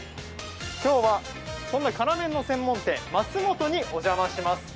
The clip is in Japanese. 今日はそんな辛麺の専門店桝元にお邪魔します。